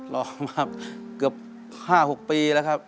รอมาเกือบ๕๖ปีแล้วครับ